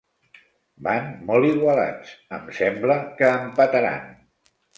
Van molt igualats: em sembla que empataran.